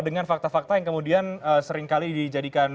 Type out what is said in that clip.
dengan fakta fakta yang kemudian seringkali dijadikan